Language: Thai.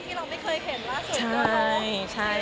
ที่เราไม่เคยเห็นล่าสุดก็น้องไหมใช่ใช่